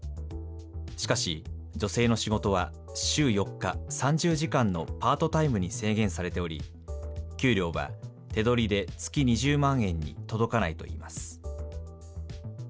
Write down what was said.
しかし、女性の仕事は週４日、３０時間のパートタイムに制限されており、給料は手取りで月２０万円に届かないといいます。